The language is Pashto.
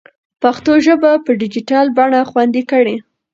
پښتو ژبه په ډیجیټل بڼه خوندي کړئ.